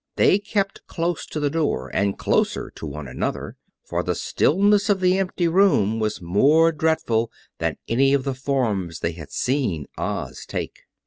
They kept close to the door and closer to one another, for the stillness of the empty room was more dreadful than any of the forms they had seen Oz take.